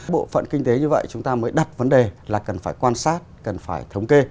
bộ phận kinh tế như vậy chúng ta mới đặt vấn đề là cần phải quan sát cần phải thống kê